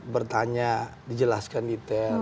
bertanya dijelaskan detail